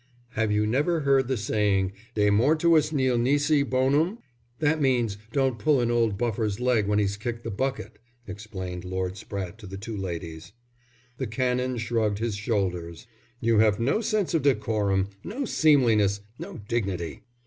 "Have you never heard the saying: 'De mortuis nil nisi bonum'?" "That means: don't pull an old buffer's leg when he's kicked the bucket," explained Lord Spratte to the two ladies. The Canon shrugged his shoulders. "You have no sense of decorum, no seemliness, no dignity."